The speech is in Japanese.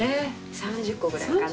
３０個ぐらいかな。